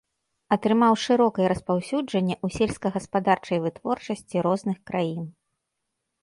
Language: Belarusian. Атрымаў шырокае распаўсюджанне ў сельскагаспадарчай вытворчасці розных краін.